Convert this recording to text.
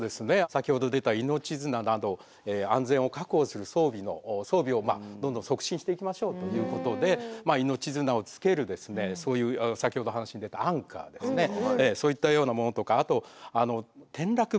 先ほど出た命綱など安全を確保する装備をどんどん促進していきましょうということで命綱をつけるそういう先ほど話に出たアンカーですねそういったようなものとかあと転落防止柵なんていうのをですね